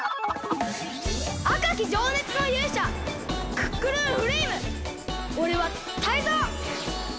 あかきじょうねつのゆうしゃクックルンフレイムおれはタイゾウ！